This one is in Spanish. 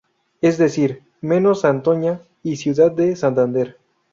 Es decir menos Santoña y Ciudad de Santander.